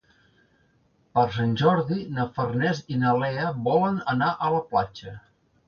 Per Sant Jordi na Farners i na Lea volen anar a la platja.